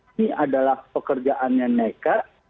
ini adalah pekerjaannya nekat